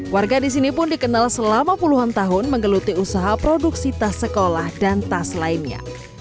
warga di sini pun dikenal selama puluhan tahun menggeluti usaha produksi tas sekolah dan tas lainnya